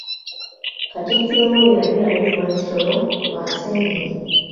Katikkiro we yali ayitibwa Kisolo wa Nseenene.